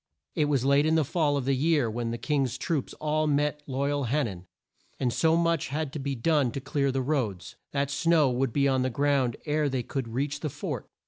It was late in the fall of the year when the King's troops all met at Loy al Han nan, and so much had to be done to clear the roads, that snow would be on the ground ere they could reach the fort.